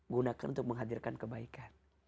gunakan untuk menghadirkan kebaikan